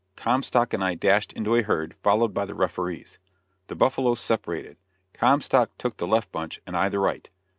Comstock and I dashed into a herd, followed by the referees. The buffaloes separated; Comstock took the left bunch and I the right.